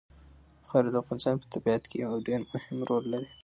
خاوره د افغانستان په طبیعت کې یو ډېر مهم رول لري.